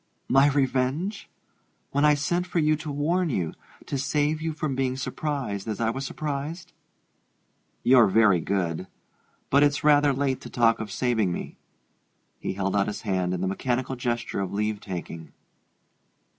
"My revenge? When I sent for you to warn you to save you from being surprised as I was surprised?" "You're very good but it's rather late to talk of saving me." He held out his hand in the mechanical gesture of leave taking.